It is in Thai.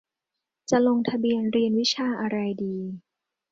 จะลงทะเบียนเรียนวิชาอะไรดี